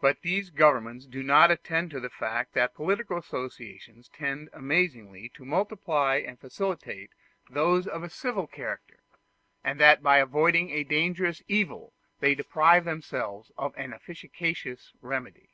But these governments do not attend to the fact that political associations tend amazingly to multiply and facilitate those of a civil character, and that in avoiding a dangerous evil they deprive themselves of an efficacious remedy.